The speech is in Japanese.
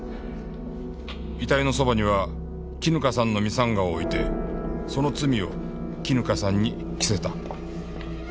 遺体のそばには絹香さんのミサンガを置いてその罪を絹香さんに着せた。